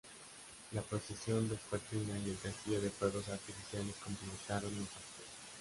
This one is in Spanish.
La procesión vespertina y el castillo de fuegos artificiales completaron los actos.